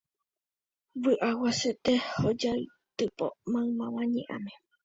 Vy'a guasuete ojaitypo maymáva ñe'ãme.